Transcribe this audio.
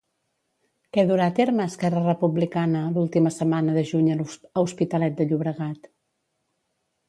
Què durà a terme Esquerra Republicana l'última setmana de juny a Hospitalet de Llobregat?